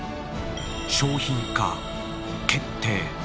商品化決定。